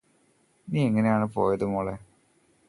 നീയെങ്ങനെയാണ് പോയത് മോളെ